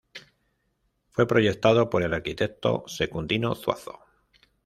Fue proyectado por el arquitecto Secundino Zuazo.